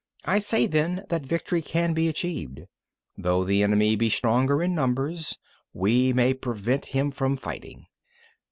I say then that victory can be achieved. 22. Though the enemy be stronger in numbers, we may prevent him from fighting.